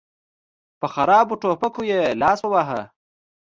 په خرابو ټوپکو یې لاس وواهه.